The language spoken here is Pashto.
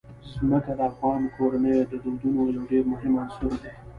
ځمکه د افغان کورنیو د دودونو یو ډېر مهم عنصر دی.